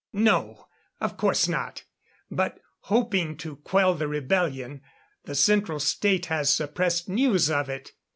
"No, of course not. But hoping to quell the rebellion, the Central State has suppressed news of it.